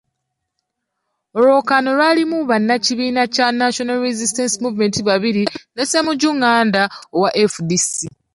Olwokaano lwalimu bannakibiina kya National Resistance Movement babiri ne Ssemujju Nganda owa FDC.